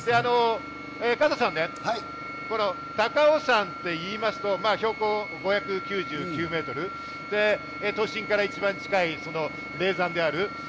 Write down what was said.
加藤さんね、高尾山といいますと標高５９９メートル、都心から一番近い霊山である。